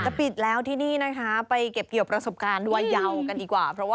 จะปิดแล้วที่นี่นะคะไปเก็บเกี่ยวประสบการณ์ดัวยาวกันดีกว่า